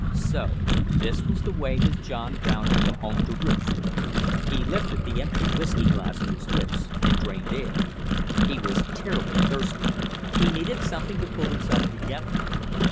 So this was the way his John Brown had come home to roost. He lifted the empty whiskey glass to his lips and drained air. He was terribly thirsty; he needed something to pull himself together.